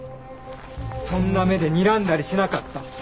そんな目でにらんだりしなかった。